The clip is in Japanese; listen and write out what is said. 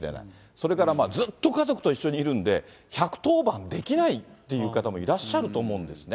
それからずっと家族と一緒にいるんで、１１０番できないっていう方もいらっしゃると思うんですね。